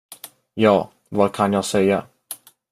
Ja, vad kan jag säga?